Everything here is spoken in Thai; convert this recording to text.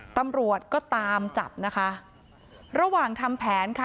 ตำรวจก็ตามจับนะคะระหว่างทำแผนค่ะ